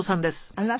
あなた？